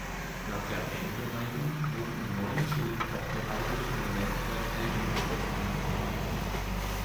Nach der Eingemeindung wurden im neuen Schild auch heraldische Elemente der Teilgemeinden eingebracht.